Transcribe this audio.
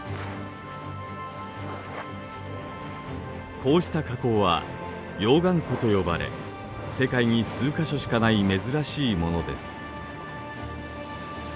こうした火口は溶岩湖と呼ばれ世界に数か所しかない珍しいものです。